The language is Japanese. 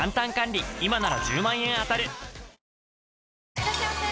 いらっしゃいませ！